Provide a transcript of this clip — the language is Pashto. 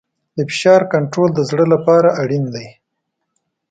د فشار کنټرول د زړه لپاره اړین دی.